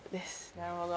なるほど。